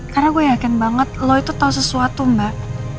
karena gue yakin banget lo itu tau sesuatu mbak